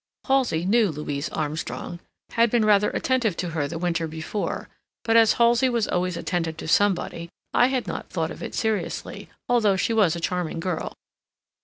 Halsey knew Louise Armstrong,—had been rather attentive to her the winter before, but as Halsey was always attentive to somebody, I had not thought of it seriously, although she was a charming girl.